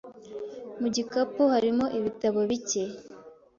Mu gikapu harimo ibitabo bike.